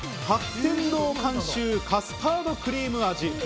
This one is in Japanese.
天堂監修カスタードくりーむ味。